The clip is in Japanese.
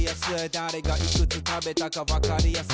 だれがいくつ食べたかわかりやすい。